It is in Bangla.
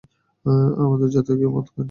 আমাদের জাতে কেউ মদ খায় না।